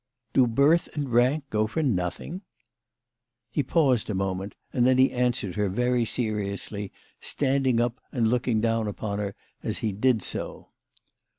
" Do birth and rank go for nothing ?" He paused a moment, and then he answered her very seriously, standing up and looking down upon her as he did so.